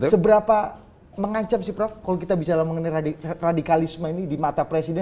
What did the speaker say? seberapa mengancam sih prof kalau kita bicara mengenai radikalisme ini di mata presiden